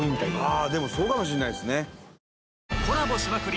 伊達：でもそうかもしれないですね。